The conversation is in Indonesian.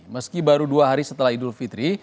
meski baru dua hari setelah idul fitri